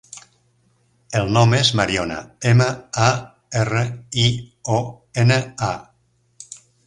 El nom és Mariona: ema, a, erra, i, o, ena, a.